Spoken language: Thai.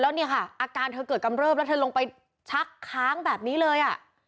แล้วเนี่ยค่ะอาการเธอเกิดกำเริบแล้วเธอลงไปชักค้างแบบนี้เลยอ่ะ